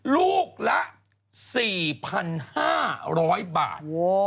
ลูกละสี่พันห้าร้อยบาท